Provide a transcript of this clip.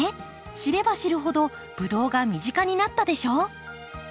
知れば知るほどブドウが身近になったでしょ？